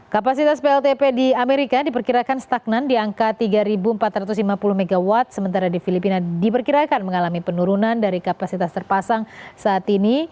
kapasitas pltp di amerika diperkirakan stagnan di angka tiga empat ratus lima puluh mw sementara di filipina diperkirakan mengalami penurunan dari kapasitas terpasang saat ini